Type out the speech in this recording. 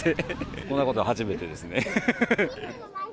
こんなこと初めてですね。